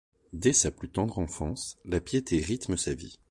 Dès sa plus tendre enfance, la piété rythme sa vie.